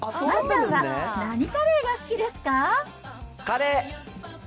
丸ちゃんは何カレーが好きですか？